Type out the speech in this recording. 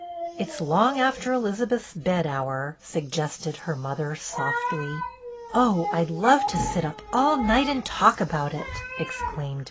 " It 's long after Elizabeth's bed hour," sug gested her mother, softly. " Oh, I 'd love to sit up all night and talk about it," exclaimed Betty.